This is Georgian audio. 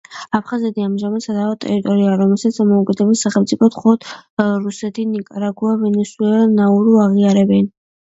აფხაზეთი ამჟამად სადავო ტერიტორიაა, რომელსაც დამოუკიდებელ სახელმწიფოდ მხოლოდ რუსეთი, ნიკარაგუა, ვენესუელა და ნაურუ აღიარებენ.